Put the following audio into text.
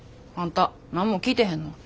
あんた何も聞いてへんの？